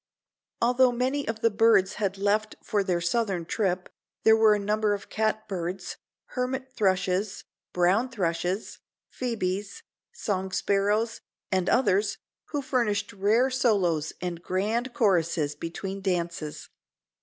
Although many of the birds had left for their southern trip, there were a number of catbirds, hermit thrushes, brown thrushes, phoebes, song sparrows and others who furnished rare solos and grand choruses between dances.